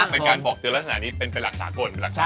เป็นการบอกตัวลักษณะนี้เป็นประหลักสาปน